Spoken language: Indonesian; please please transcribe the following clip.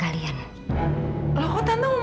pada saat ilmu